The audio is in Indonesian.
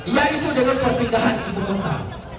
yaitu dengan pemindahan ibu kota